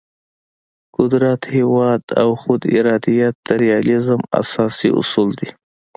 قدرت، هیواد او خود ارادیت د ریالیزم اساسي اصول دي.